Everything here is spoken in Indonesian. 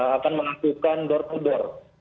akan melakukan door to door